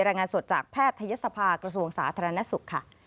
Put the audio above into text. รายงานสดจากแพทยศภากระทรวงสาธารณสุขค่ะ